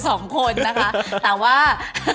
สองคนนะคะแต่ว่า